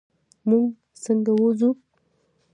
مونږ څنګه ووځو؟